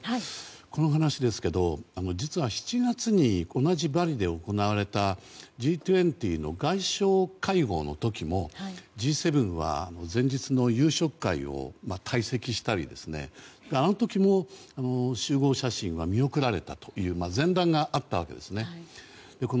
この話ですけど実は７月に同じバリで行われたＧ２０の外相会合の時もＧ７は前日の夕食会を退席したりあの時も、集合写真は見送られたという前段があったわけですね。